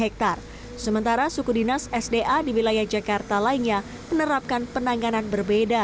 hektare sementara suku dinas sda di wilayah jakarta lainnya menerapkan penanganan berbeda